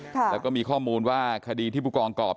แล้วก็มีข้อมูลว่าคดีที่ผู้กองกรอบ